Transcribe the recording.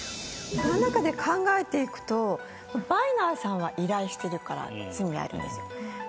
この中で考えていくとバイナーさんは依頼してるから罪あるんですよ。